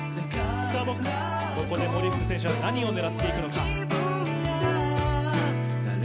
ここで森福選手は何を狙っていくのか。